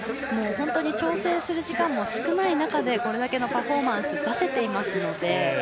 本当に調整する時間も少なかった中でこれだけのパフォーマンスを出せているので。